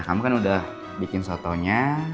kamu kan udah bikin sotonya